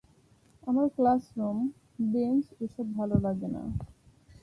আমার classroom, bench এসব ভালো লাগে না।